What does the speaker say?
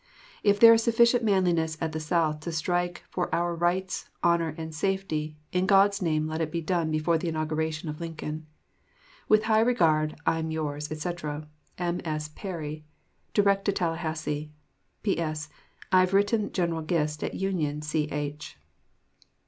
If there is sufficient manliness at the South to strike for our rights, honor, and safety, in God's name let it be done before the inauguration of Lincoln. With high regard, I am yours, etc., M.S. PERRY Direct to Tallahassee. P.S. I have written General Gist at Union C.H.